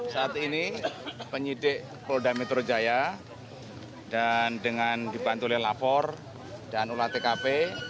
saat ini penyidik kolda metro jaya dan dengan dibantulah lapor dan ulat tkp